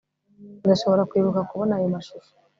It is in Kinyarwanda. Ndashobora kwibuka kubona ayo mashusho